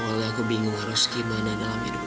awalnya aku bingung harus gimana dalam hidup aku